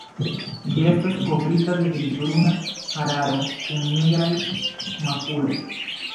Ĝi estas kovrita de grizbruna hararo kun nigraj makuloj.